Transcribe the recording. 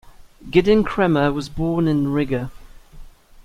Gidon Kremer was born in Riga.